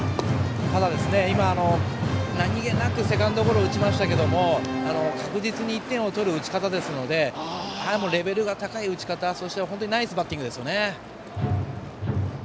ただ、今のは何気ないセカンドゴロでしたが確実に１点を取る打ち方なのでレベルの高い打ち方そして、ナイスバッティングです。